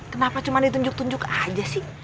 kenapa cuma ditunjuk tunjuk aja sih